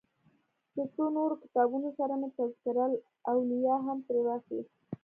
له څو نورو کتابونو سره مې تذکرة الاولیا هم ترې واخیست.